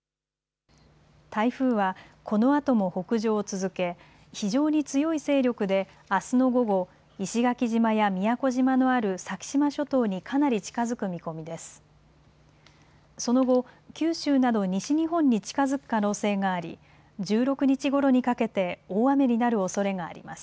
台風はこのあとも北上を続け非常に強い勢力であすの午後、石垣島や宮古島のある先島諸島にかなり近づく見込みです。